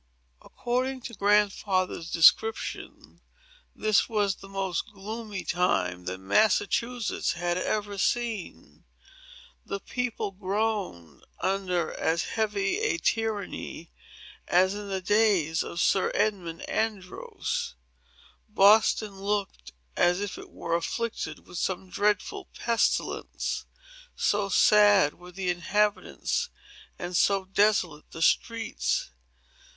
According to Grandfather's description, this was the most gloomy time that Massachusetts had ever seen. The people groaned under as heavy a tyranny as in the days of Sir Edmund Andros. Boston looked as if it were afflicted with some dreadful pestilence,—so sad were the inhabitants, and so desolate the streets.